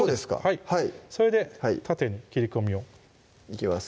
はいそれで縦に切り込みをいきます